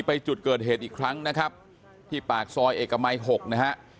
ไปจุดเกิดเหตุอีกครั้งนะครับที่ปากซอยเอกมัย๖นะฮะ